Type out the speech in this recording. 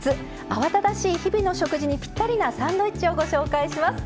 慌ただしい日々の食事にぴったりなサンドイッチをご紹介します。